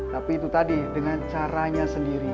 tapi itu tadi dengan caranya sendiri